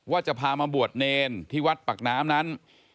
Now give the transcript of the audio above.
ว่าจะพามาบวชเนรที่วัดปากน้ำนั้น